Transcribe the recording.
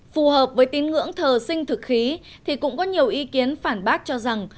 phù hợp với tín ngưỡng thờ sinh thực khí thì cũng có nhiều ý kiến phản bác cho rằng